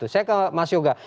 saya ke mas yoga